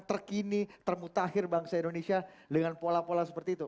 terkini termutakhir bangsa indonesia dengan pola pola seperti itu